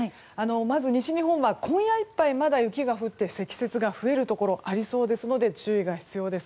まず西日本は今夜いっぱいまだ雪が降って積雪が増えるところありそうですので注意が必要です。